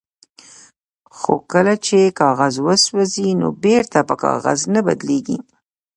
هو کله چې کاغذ وسوځي نو بیرته په کاغذ نه بدلیږي